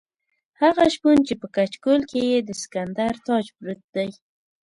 هغه شپون چې په کچکول کې یې د سکندر تاج پروت دی.